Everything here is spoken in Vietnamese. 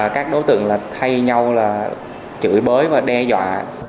các đối tượng là thay nhau là chửi bới và đe dọa